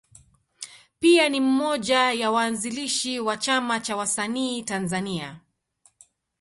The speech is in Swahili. Pia ni mmoja ya waanzilishi wa Chama cha Wasanii Tanzania.